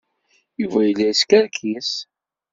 Yuba yella yeskerkis.